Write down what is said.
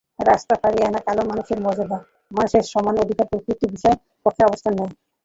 রাস্তাফারিয়ানরা কালো মানুষদের মর্যাদা, মানুষের সমান অধিকার প্রভৃতি বিষয়ের পক্ষে অবস্থান নেয়।